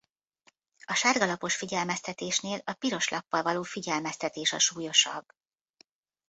A sárga lapos figyelmeztetésnél a piros lappal való figyelmeztetés a súlyosabb.